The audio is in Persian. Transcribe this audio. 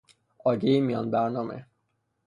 آگهی میان برنامه